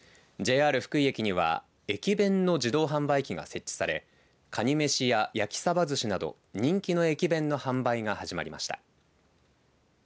ＪＲ福井駅には駅弁の自動販売機が設置されかにめしや焼きさばずしなど人気の駅弁の販売が始まりました。